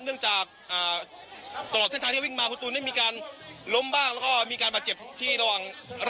เนื่องจากตลอดทางทางที่เขาวิ่งมาคุณตูนได้มีการล้มบ้างและก็มีการมาเจ็บที่ระหว่างร่างกายอยู่ครับ